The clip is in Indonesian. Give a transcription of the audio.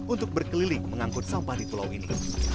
untuk berkeliling mengangkut sampah di pulau ini